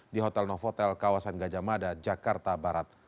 di hotel novotel kawasan gajah mada jakarta barat